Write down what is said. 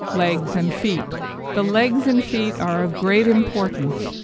LEGS AND FEET The legs and feet are of great importance.